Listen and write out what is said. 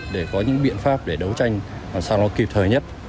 để có những biện pháp để đấu tranh làm sao nó kịp thời nhất